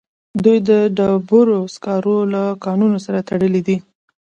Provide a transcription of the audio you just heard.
دوی د ډبرو سکارو له کانونو سره تړلي دي